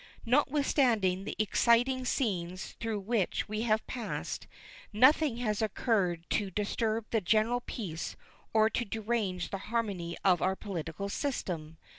Notwithstanding the exciting scenes through which we have passed, nothing has occurred to disturb the general peace or to derange the harmony of our political system.